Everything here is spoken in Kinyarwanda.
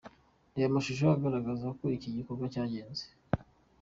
Reba amashusho agaragaza uko iki gikorwa cyagenze .